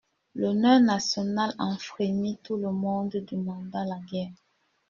L'honneur national en frémit, tout le monde demanda la guerre.